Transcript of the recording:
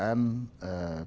bukan penguatan sorry